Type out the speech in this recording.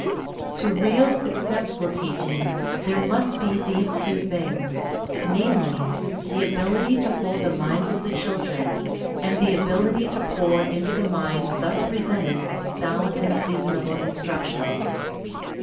To real, successful teaching, there must be these two things, namely, the ability to hold the minds of the children, and the ability to pour into the minds thus presented sound and seasonable instruction.